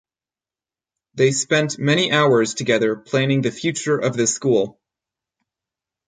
They spent many hours together planning the future of the school.